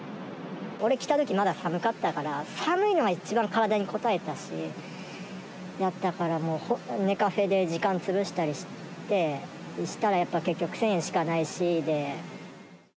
俺来たとき、まだ寒かったから、寒いのが一番体にこたえたし、やったから、ネカフェで時間潰したりして、そしたらやっぱ結局１０００円しかないしで。